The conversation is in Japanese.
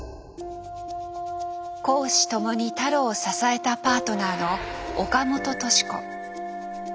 公私共に太郎を支えたパートナーの岡本敏子。